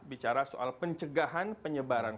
bicara soal pencegahan penyebaran